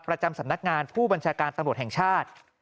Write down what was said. ประจำสำนักงานผู้บัญชาการตำรวจแห่งชาติ